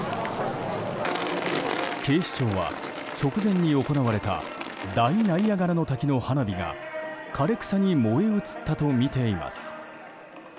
警視庁は直前に行われた大ナイアガラの滝の花火が枯れ草に燃え移ったとみています。